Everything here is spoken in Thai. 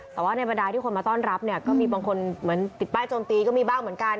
แต่ว่าในบรรดาที่คนมาต้อนรับเนี่ยก็มีบางคนเหมือนติดป้ายโจมตีก็มีบ้างเหมือนกัน